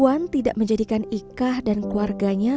puan tidak menjadikan ika dan keluarganya